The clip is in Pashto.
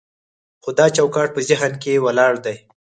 خو دا چوکاټ په ذهن ولاړ دی.